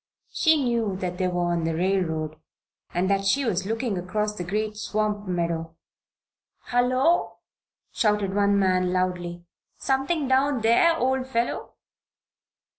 She knew that they were on the railroad, and that she was looking across the great swamp meadow. "Hullo!" shouted one man, loudly. "Something down there, old fellow?"